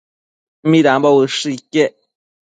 Midambo ushë iquec